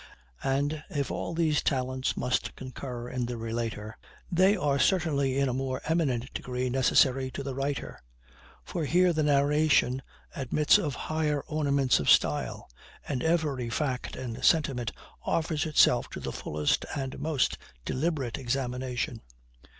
And if all these talents must concur in the relator, they are certainly in a more eminent degree necessary to the writer; for here the narration admits of higher ornaments of style, and every fact and sentiment offers itself to the fullest and most deliberate examination.